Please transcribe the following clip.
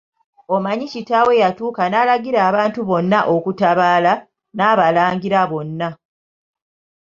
Omanyi kitaawe yatuuka n'alagira abantu bonna okutabaala, n'abalangira bonna.